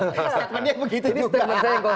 stapennya begitu juga